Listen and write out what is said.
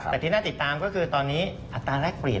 แต่ที่น่าติดตามก็คือตอนนี้อัตราแรกเปลี่ยน